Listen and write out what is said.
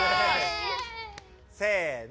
せの。